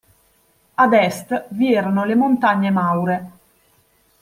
Ad est vi erano le montagne Maure.